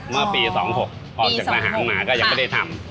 เมื่อปี๒๖พอจากทหารมาก็ยังไม่ได้ทำ